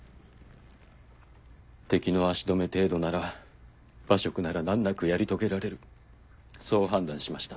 敵の足止め程度なら馬謖なら難なくやり遂げられるそう判断しました。